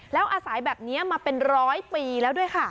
แล้วอาศัยแบบนี้มาเป็นร้อยปีแล้วด้วยค่ะ